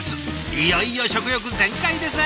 いよいよ食欲全開ですね。